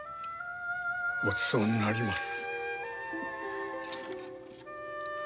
ごちそうになります。